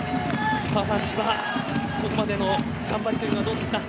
澤さん、千葉のここまでの頑張りというのはどうですか？